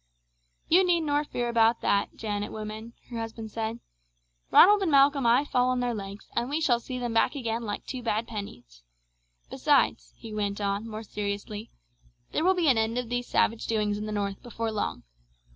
"You need nor fear about that, Janet, woman," her husband said. "Ronald and Malcolm aye fall on their legs, and we shall see them back again like two bad pennies. Besides," he went on more seriously, "there will be an end of these savage doings in the north before long.